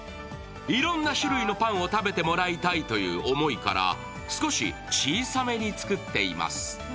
いろんな種類のパンを食べてもらいたいとの思いから少し小さめに作っています。